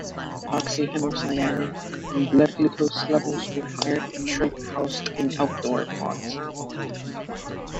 Oxyhemocyanin and blood glucose levels were higher in shrimp housed in outdoor ponds.